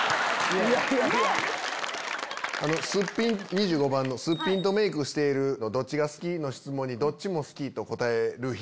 ２５番の「『すっぴんとメイクしてるのどっちが好き？』の質問に『どっちも好き』と答える人」。